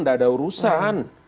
tidak ada urusan